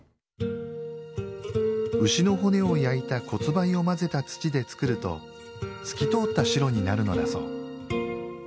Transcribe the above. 牛の骨を焼いた骨灰を混ぜた土で作ると透き通った白になるのだそう。